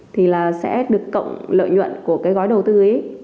thì là sẽ được cộng lợi nhuận của cái gói đầu tư ấy